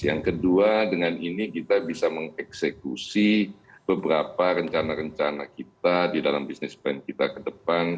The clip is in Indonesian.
yang kedua dengan ini kita bisa mengeksekusi beberapa rencana rencana kita di dalam bisnis plan kita ke depan